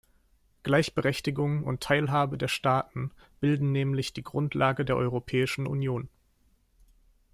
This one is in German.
Gleichberechtigung und Teilhabe der Staaten bilden nämlich die Grundlage der Europäischen Union.